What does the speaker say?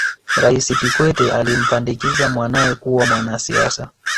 raisi kikwete alimpandikiza mwanae kuwa mwanasiasa